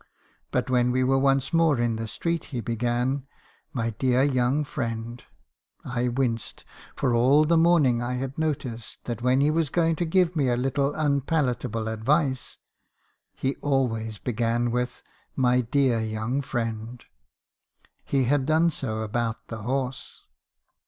But when we were once more in the street, he began , 'My dear young friend' — "I winced; for all the morning I had noticed that when he was going to give a little unpalatable advice, he always began with 'My dear young friend.' He had done so about the horse.